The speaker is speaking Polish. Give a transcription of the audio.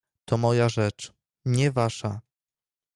"To moja rzecz, nie wasza."